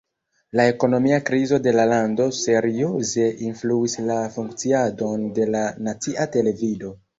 La ekonomia krizo de la lando serioze influis la funkciadon de la nacia televido.